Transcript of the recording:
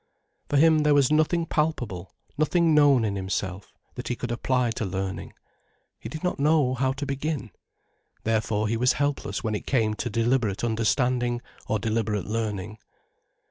For him there was nothing palpable, nothing known in himself, that he could apply to learning. He did not know how to begin. Therefore he was helpless when it came to deliberate understanding or deliberate learning.